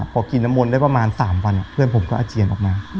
พอกินน้ำมนต์ได้ประมาณ๓วันเพื่อนผมก็อาเจียนออกมา